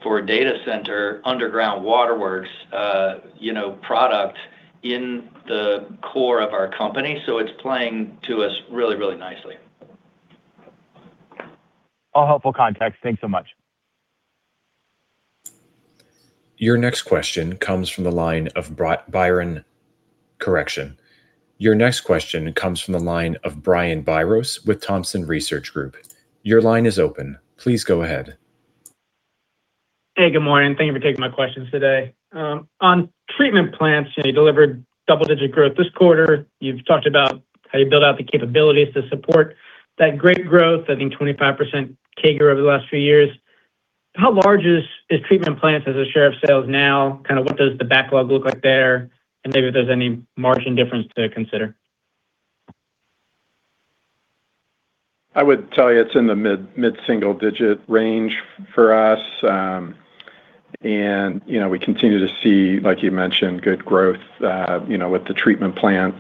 for data center underground waterworks product in the core of our company. It's playing to us really nicely. All helpful context. Thanks so much. Your next question comes from the line of Brian Biros with Thompson Research Group. Your line is open. Please go ahead. Hey, good morning. Thank you for taking my questions today. On treatment plants, you delivered double-digit growth this quarter. You've talked about how you built out the capabilities to support that great growth, I think 25% CAGR over the last few years. How large is treatment plants as a share of sales now? What does the backlog look like there? Maybe if there's any margin difference to consider. I would tell you it's in the mid-single digit range for us. We continue to see, like you mentioned, good growth with the treatment plant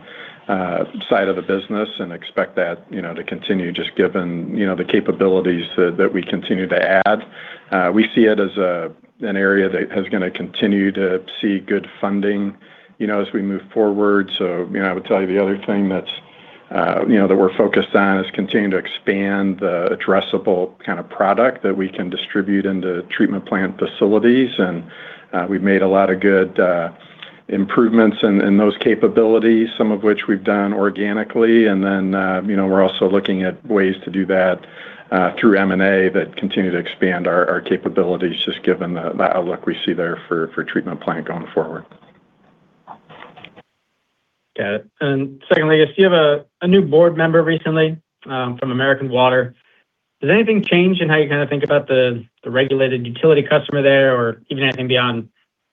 side of the business and expect that to continue just given the capabilities that we continue to add. We see it as an area that is going to continue to see good funding as we move forward. I would tell you the other thing that we're focused on is continuing to expand the addressable product that we can distribute into treatment plant facilities. We've made a lot of good improvements in those capabilities, some of which we've done organically. Then, we're also looking at ways to do that through M&A that continue to expand our capabilities just given the outlook we see there for treatment plant going forward. Got it. Secondly, you have a new board member recently from American Water. Does anything change in how you think about the regulated utility customer there, or even anything beyond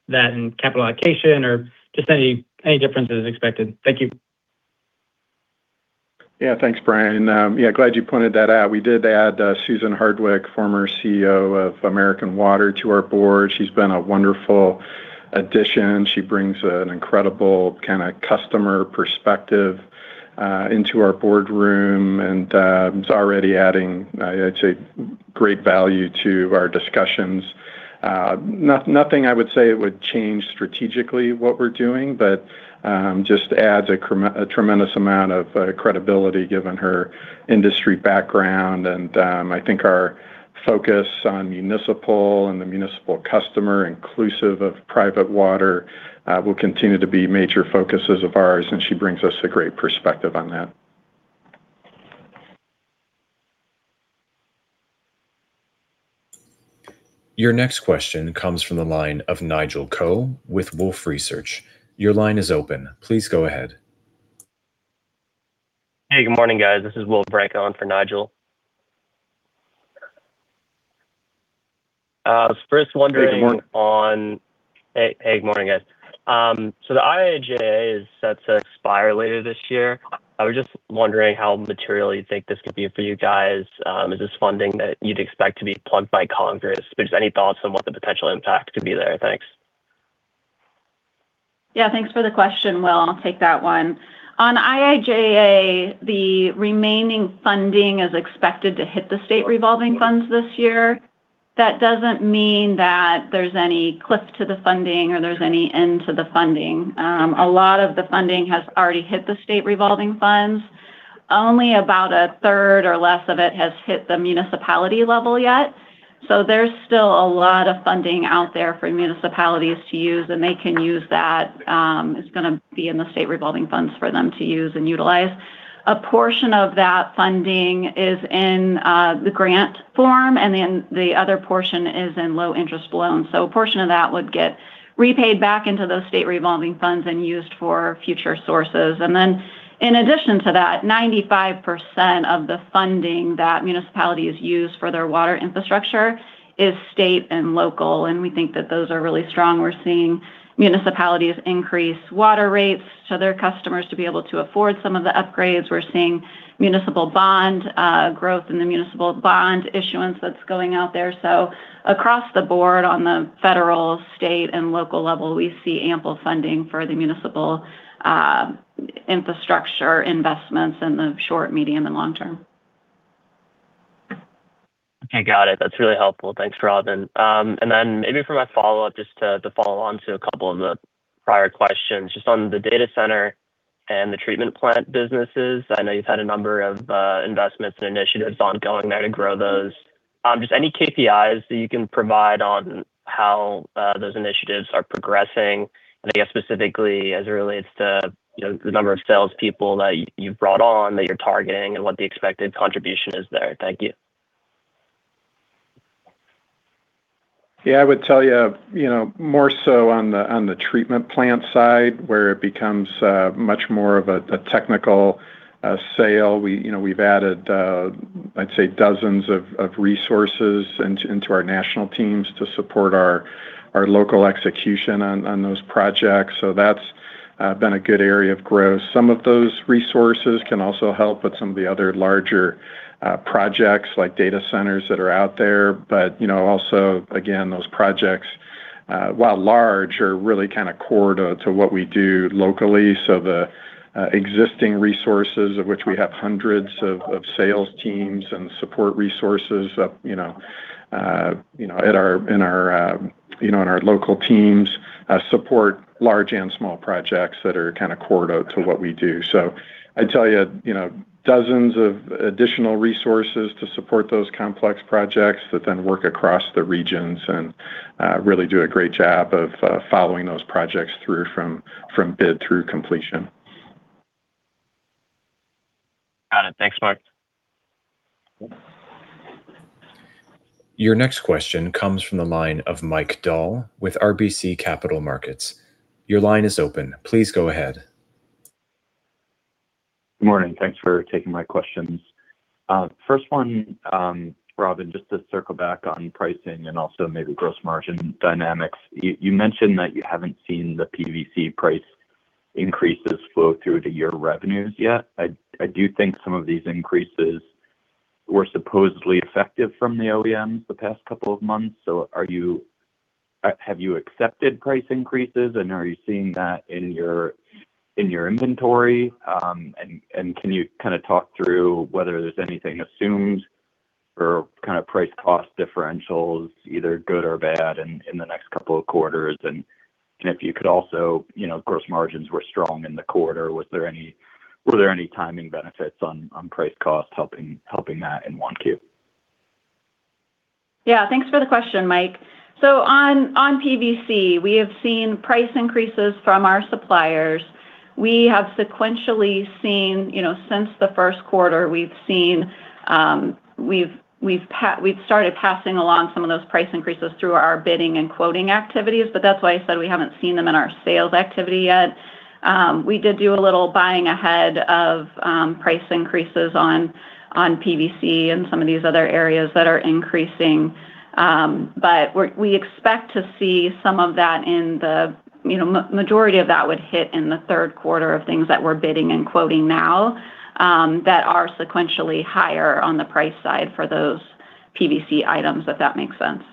that in capital allocation or just any differences expected? Thank you. Yeah, thanks, Brian Biros. Yeah, glad you pointed that out. We did add Susan Hardwick, former CEO of American Water, to our board. She's been a wonderful addition. She brings an incredible customer perspective into our boardroom and is already adding, I'd say, great value to our discussions. Nothing, I would say, would change strategically what we're doing, but just adds a tremendous amount of credibility given her industry background. I think our focus on municipal and the municipal customer, inclusive of private water, will continue to be major focuses of ours, and she brings us a great perspective on that. Your next question comes from the line of Nigel Coe with Wolfe Research. Your line is open. Please go ahead Hey, good morning, guys. This is William Vranka on for Nigel. Good morning. Hey, good morning, guys. The IIJA is set to expire later this year. I was just wondering how material you think this could be for you guys. Is this funding that you'd expect to be plugged by Congress? Just any thoughts on what the potential impact could be there? Thanks. Yeah. Thanks for the question, William Vranka. I'll take that one. On IIJA, the remaining funding is expected to hit the state revolving funds this year. That doesn't mean that there's any cliff to the funding or there's any end to the funding. A lot of the funding has already hit the state revolving funds. Only about a third or less of it has hit the municipality level yet. There's still a lot of funding out there for municipalities to use, and they can use that. It's going to be in the state revolving funds for them to use and utilize. A portion of that funding is in the grant form, and then the other portion is in low interest loans. A portion of that would get repaid back into those state revolving funds and used for future sources. In addition to that, 95% of the funding that municipalities use for their water infrastructure is state and local, and we think that those are really strong. We're seeing municipalities increase water rates to their customers to be able to afford some of the upgrades. We're seeing municipal bond growth and the municipal bond issuance that's going out there. Across the board on the federal, state, and local level, we see ample funding for the municipal infrastructure investments in the short, medium, and long term. Okay, got it. That's really helpful. Thanks, Robyn Bradbury. Maybe for my follow-up, just to follow on to a couple of the prior questions, just on the data center and the treatment plant businesses. I know you've had a number of investments and initiatives ongoing there to grow those. Just any KPIs that you can provide on how those initiatives are progressing, and I guess specifically as it relates to the number of salespeople that you've brought on, that you're targeting, and what the expected contribution is there. Thank you. Yeah, I would tell you, more so on the treatment plant side, where it becomes much more of a technical sale. We've added, I'd say dozens of resources into our national teams to support our local execution on those projects. That's been a good area of growth. Some of those resources can also help with some of the other larger projects like data centers that are out there. Also, again, those projects, while large, are really kind of core to what we do locally. The existing resources of which we have hundreds of sales teams and support resources up in our local teams, support large and small projects that are kind of core to what we do. I'd tell you, dozens of additional resources to support those complex projects that then work across the regions and really do a great job of following those projects through from bid through completion. Got it. Thanks, Mark Witkowski. Your next question comes from the line of Mike Dahl with RBC Capital Markets. Your line is open. Please go ahead. Good morning. Thanks for taking my questions. First one, Robyn, just to circle back on pricing and also maybe gross margin dynamics. You mentioned that you haven't seen the PVC price increases flow through to your revenues yet. I do think some of these increases were supposedly effective from the OEMs the past couple of months. Have you accepted price increases, and are you seeing that in your inventory? Can you talk through whether there's anything assumed or price cost differentials, either good or bad in the next couple of quarters? If you could also, gross margins were strong in the quarter, were there any timing benefits on price cost helping that in Q1? Yeah. Thanks for the question, Mike Dahl. On PVC, we have seen price increases from our suppliers. We have sequentially seen, since the Q1, we've started passing along some of those price increases through our bidding and quoting activities, that's why I said we haven't seen them in our sales activity yet. We did do a little buying ahead of price increases on PVC and some of these other areas that are increasing. We expect to see some of that. Majority of that would hit in Q3 of things that we're bidding and quoting now, that are sequentially higher on the price side for those PVC items, if that makes sense.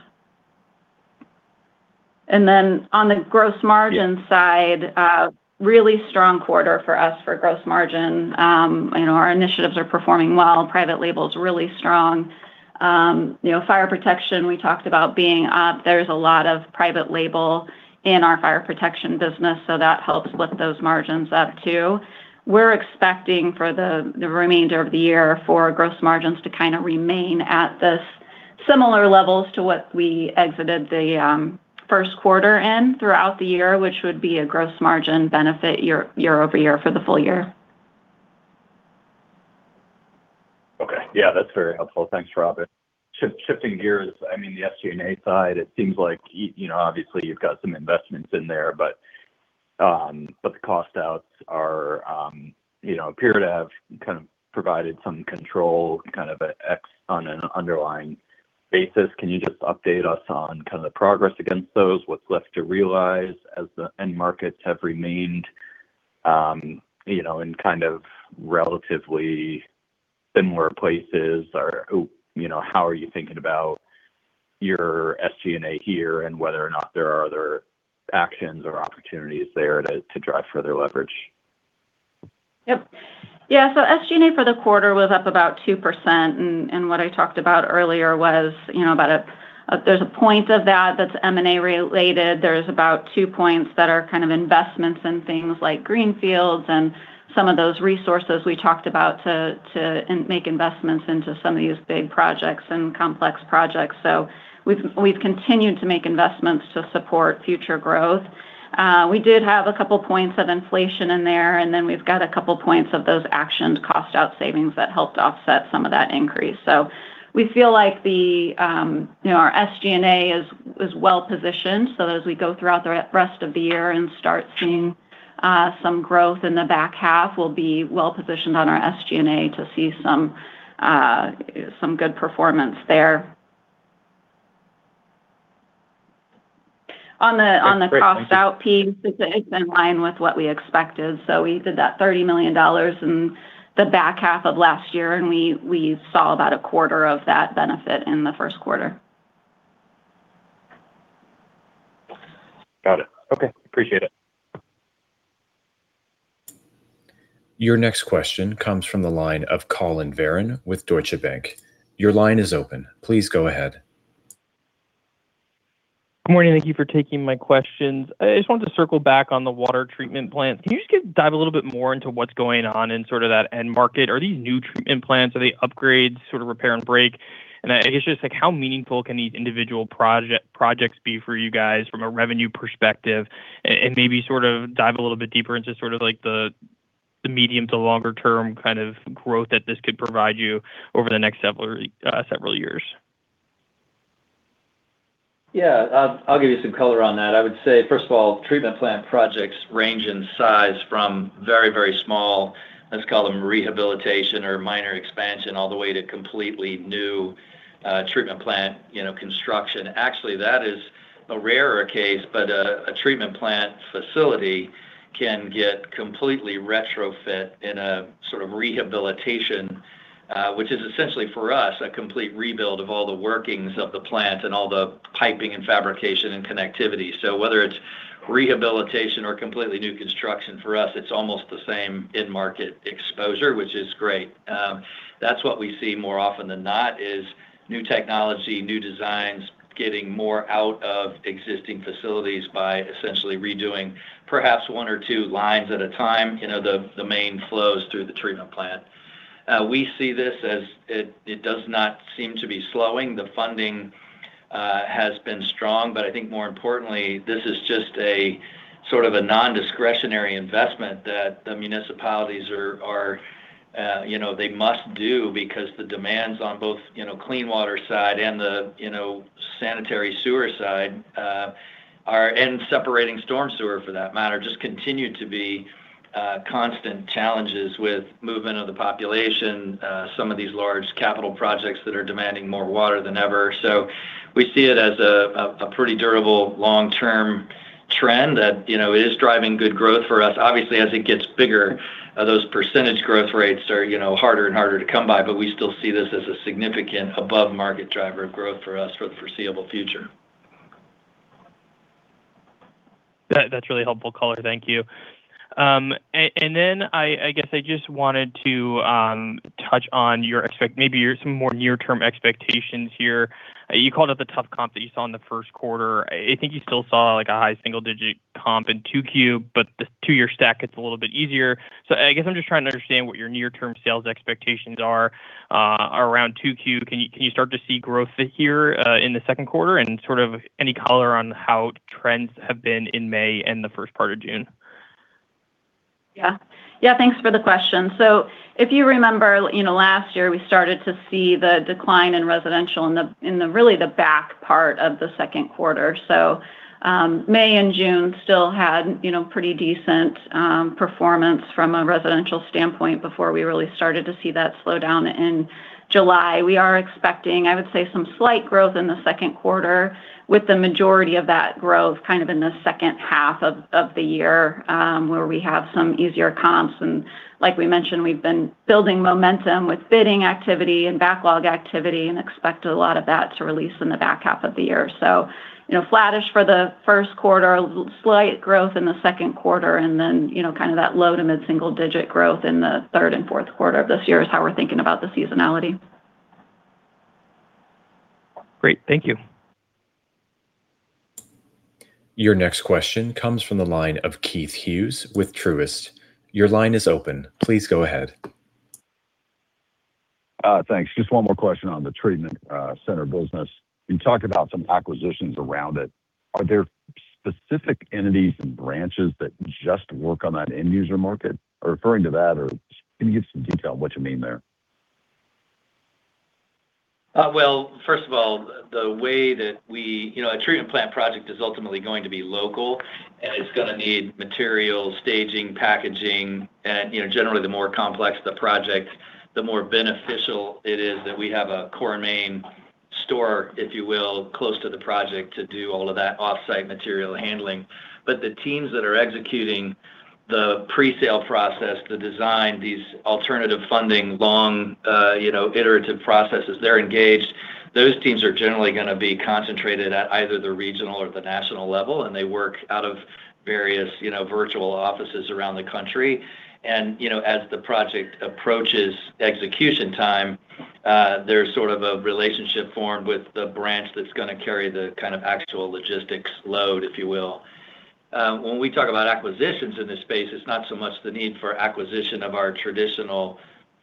Then on the gross margin side, really strong quarter for us for gross margin. Our initiatives are performing well, private label's really strong. Fire protection, we talked about being up. There's a lot of private label in our fire protection business, so that helps lift those margins up, too. We're expecting for the remainder of the year for gross margins to kind of remain at this similar levels to what we exited the Q1 in throughout the year, which would be a gross margin benefit year-over-year for the full year. Okay. Yeah, that's very helpful. Thanks, Robyn Bradbury. Shifting gears, the SG&A side, it seems like obviously you've got some investments in there, but the cost outs appear to have kind of provided some control, kind of an X on an underlying basis. Can you just update us on the progress against those? What's left to realize as the end markets have remained in kind of relatively similar places? How are you thinking about your SG&A here and whether or not there are other actions or opportunities there to drive further leverage? Yep. Yeah, SG&A for the quarter was up about 2%. What I talked about earlier was there's one point of that that's M&A related. There's about two points that are kind of investments in things like greenfields and some of those resources we talked about to make investments into some of these big projects and complex projects. We've continued to make investments to support future growth. We did have a couple points of inflation in there, we've got a couple points of those actioned cost out savings that helped offset some of that increase. We feel like our SG&A is well positioned. As we go throughout the rest of the year and start seeing some growth in the H2, we'll be well positioned on our SG&A to see some good performance there. On the cost out piece, it's in line with what we expected. We did that $30 million in the H2 of last year, and we saw about a quarter of that benefit in the Q1. Got it. Okay. Appreciate it. Your next question comes from the line of Collin Verron with Deutsche Bank. Your line is open. Please go ahead. Good morning. Thank you for taking my questions. I just wanted to circle back on the water treatment plant. Can you just dive a little bit more into what's going on in that end market? Are these new treatment plants? Are they upgrades, sort of repair and break? I guess just how meaningful can these individual projects be for you guys from a revenue perspective? Maybe sort of dive a little bit deeper into the medium to longer term kind of growth that this could provide you over the next several years. Yeah. I'll give you some color on that. I would say, first of all, treatment plant projects range in size from very, very small, let's call them rehabilitation or minor expansion, all the way to completely new treatment plant construction. Actually, that is a rarer case, but a treatment plant facility can get completely retrofit in a sort of rehabilitation. Which is essentially, for us, a complete rebuild of all the workings of the plant and all the piping and fabrication and connectivity. Whether it's rehabilitation or completely new construction, for us, it's almost the same end market exposure, which is great. That's what we see more often than not is new technology, new designs, getting more out of existing facilities by essentially redoing perhaps one or two lines at a time, the main flows through the treatment plant. We see this as it does not seem to be slowing. The funding has been strong, but I think more importantly, this is just a sort of a non-discretionary investment that the municipalities they must do because the demands on both clean water side and the sanitary sewer side, and separating storm sewer for that matter, just continue to be constant challenges with movement of the population, some of these large capital projects that are demanding more water than ever. We see it as a pretty durable long-term trend that is driving good growth for us. Obviously, as it gets bigger, those percentage growth rates are harder and harder to come by, but we still see this as a significant above-market driver of growth for us for the foreseeable future. That's really helpful color. Thank you. I guess I just wanted to touch on maybe some more near-term expectations here. You called out the tough comp that you saw in the Q1. I think you still saw a high single-digit comp in Q2, but the two-year stack, it's a little bit easier. I guess I'm just trying to understand what your near-term sales expectations are around Q2. Can you start to see growth here in the Q2 and any color on how trends have been in May and the first part of June? Yeah. Thanks for the question. If you remember, last year we started to see the decline in residential in the back part of the Q2. May and June still had pretty decent performance from a residential standpoint before we really started to see that slow down in July. We are expecting, I would say, some slight growth in the Q2 with the majority of that growth kind of in the H2 of the year, where we have some easier comps. Like we mentioned, we've been building momentum with bidding activity and backlog activity and expect a lot of that to release in the H2 of the year. Flattish for the Q1, slight growth in the Q2, and then kind of that low to mid-single digit growth in Q3 and Q4 of this year is how we're thinking about the seasonality. Great. Thank you. Your next question comes from the line of Keith Hughes with Truist. Your line is open. Please go ahead. Thanks. Just one more question on the treatment center business. You talked about some acquisitions around it. Are there specific entities and branches that just work on that end user market? Referring to that, or can you give some detail on what you mean there? Well, first of all, a treatment plant project is ultimately going to be local and it's going to need material, staging, packaging, and generally, the more complex the project, the more beneficial it is that we have a Core & Main store, if you will, close to the project to do all of that off-site material handling. The teams that are executing the pre-sale process, the design, these alternative funding, long iterative processes, they're engaged. Those teams are generally going to be concentrated at either the regional or the national level, and they work out of various virtual offices around the country. As the project approaches execution time, there's sort of a relationship formed with the branch that's going to carry the kind of actual logistics load, if you will. When we talk about acquisitions in this space, it's not so much the need for acquisition of our traditional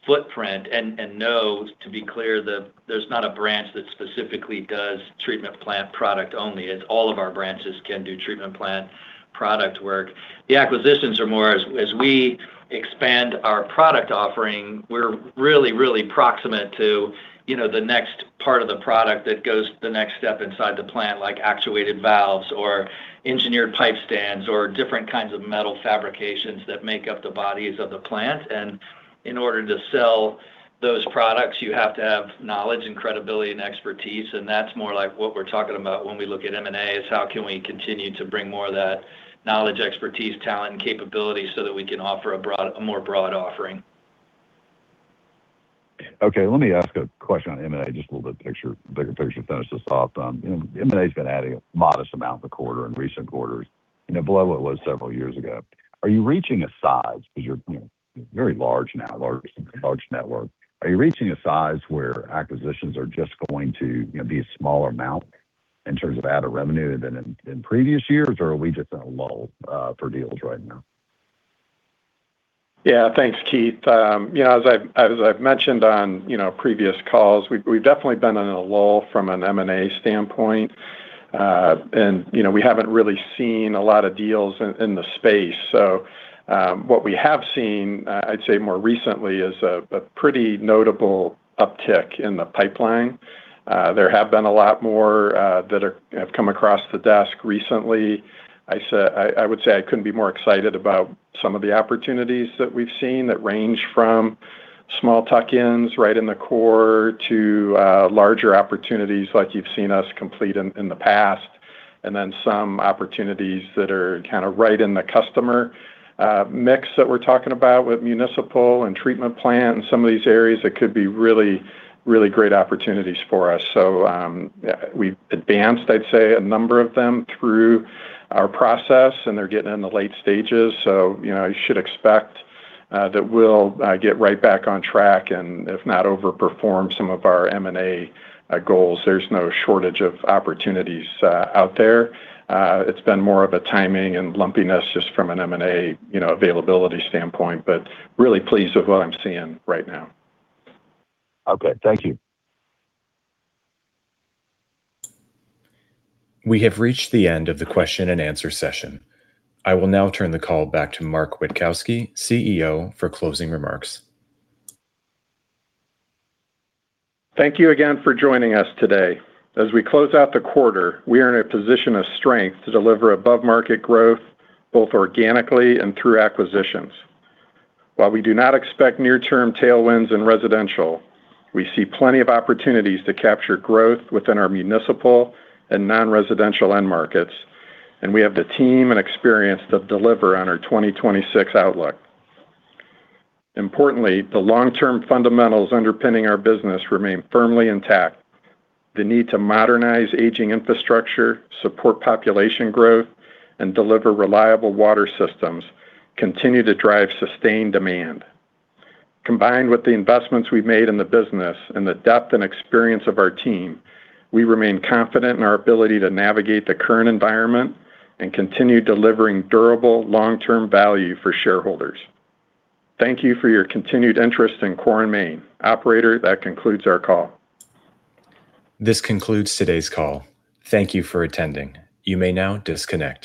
footprint. No, to be clear, there's not a branch that specifically does treatment plant product only. It's all of our branches can do treatment plant product work. The acquisitions are more as we expand our product offering, we're really, really proximate to the next part of the product that goes the next step inside the plant, like actuated valves or engineered pipe stands or different kinds of metal fabrications that make up the bodies of the plant. In order to sell those products, you have to have knowledge and credibility and expertise, and that's more like what we're talking about when we look at M&A is how can we continue to bring more of that knowledge, expertise, talent, and capability so that we can offer a more broad offering. Let me ask a question on M&A, just a little bit bigger picture to finish this off. M&A's been adding a modest amount in the quarter, in recent quarters, below what it was several years ago. Are you reaching a size, because you're very large now, large network. Are you reaching a size where acquisitions are just going to be a smaller amount in terms of added revenue than in previous years? Or are we just in a lull for deals right now? Thanks, Keith Hughes. As I've mentioned on previous calls, we've definitely been in a lull from an M&A standpoint. We haven't really seen a lot of deals in the space. What we have seen, I'd say more recently, is a pretty notable uptick in the pipeline. There have been a lot more that have come across the desk recently. I would say I couldn't be more excited about some of the opportunities that we've seen that range from small tuck-ins right in the core to larger opportunities like you've seen us complete in the past, and then some opportunities that are right in the customer mix that we're talking about with municipal and treatment plant and some of these areas that could be really great opportunities for us. We've advanced, I'd say, a number of them through our process. They're getting in the late stages, you should expect that we'll get right back on track, if not overperform some of our M&A goals. There's no shortage of opportunities out there. It's been more of a timing and lumpiness just from an M&A availability standpoint, really pleased with what I'm seeing right now. Okay. Thank you. We have reached the end of the question and answer session. I will now turn the call back to Mark Witkowski, CEO, for closing remarks. Thank you again for joining us today. As we close out the quarter, we are in a position of strength to deliver above-market growth both organically and through acquisitions. While we do not expect near-term tailwinds in residential, we see plenty of opportunities to capture growth within our municipal and non-residential end markets, and we have the team and experience to deliver on our 2026 outlook. Importantly, the long-term fundamentals underpinning our business remain firmly intact. The need to modernize aging infrastructure, support population growth, and deliver reliable water systems continue to drive sustained demand. Combined with the investments we've made in the business and the depth and experience of our team, we remain confident in our ability to navigate the current environment and continue delivering durable long-term value for shareholders. Thank you for your continued interest in Core & Main. Operator, that concludes our call. This concludes today's call. Thank you for attending. You may now disconnect.